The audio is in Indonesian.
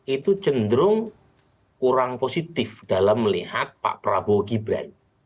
itu cenderung kurang positif dalam melihat pak prabowo gibran